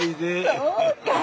そうかい。